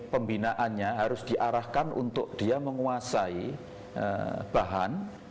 pembinaannya harus diarahkan untuk dia menguasai bahan